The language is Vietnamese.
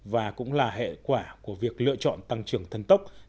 và cũng là hệ quả của việc lựa chọn tăng trưởng thân tốc